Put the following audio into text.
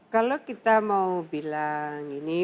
kalau kita mau bilang ini